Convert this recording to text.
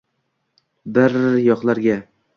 “Bi-i-ir yoqlarga…”